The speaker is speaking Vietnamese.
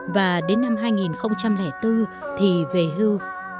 và đến năm hai nghìn bốn thì về hưu